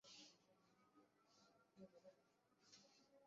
সেখানেই পাটের তৈরি নানা ধরনের পণ্য দেখে পোশাক তৈরির কথা ভাবেন।